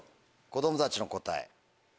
子供たちの答え。